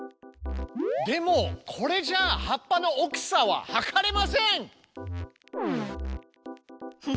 でもこれじゃあ葉っぱの大きさははかれません！